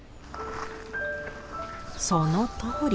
そのとおり。